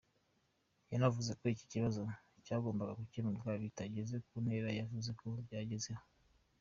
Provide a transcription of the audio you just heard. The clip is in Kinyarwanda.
Yanavuze ko iki kibazo cyagombaga gukemuka bitageze ku ntera yavuze ko byagezeho.